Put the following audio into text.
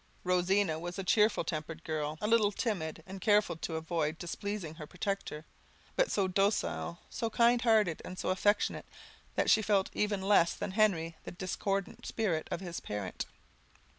Rosina was a cheerful tempered girl, a little timid, and careful to avoid displeasing her protector; but so docile, so kind hearted, and so affectionate, that she felt even less than Henry the discordant spirit of his parent.